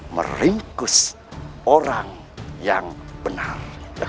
meringkus orang yang benar